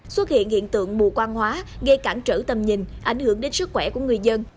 xuất hiện hiện tượng mù quan hóa gây cản trở tầm nhìn ảnh hưởng đến sức khỏe của người dân